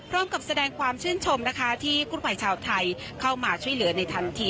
ร่วมกับแสดงความชื่นชมนะคะที่คู่ภัยชาวไทยเข้ามาช่วยเหลือในทันที